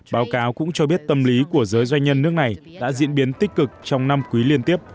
báo cáo cũng cho biết tâm lý của giới doanh nhân nước này đã diễn biến tích cực trong năm quý liên tiếp